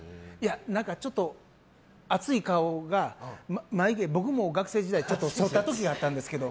ちょっと熱い顔が眉毛、僕も学生時代剃った時があったんですけど。